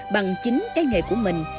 bằng chính cái nghề của mình